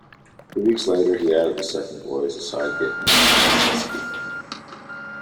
Three weeks later he added the second boy as a sidekick, naming him "Suske".